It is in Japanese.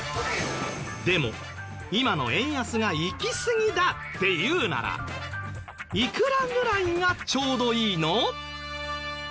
でも今の円安がいきすぎだっていうならいくらぐらいがちょうどいいの？